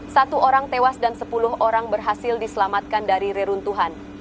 satu orang tewas dan sepuluh orang berhasil diselamatkan dari reruntuhan